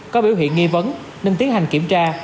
có biểu hiện nghi vấn nên tiến hành kiểm tra